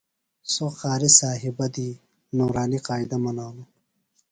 سوۡ قاریۡ صیبہ دی نورانیۡ قائدہ منانوۡ۔